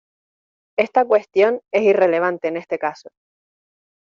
Esta cuestión es irrelevante en este caso.